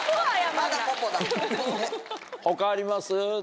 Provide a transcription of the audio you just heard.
他あります？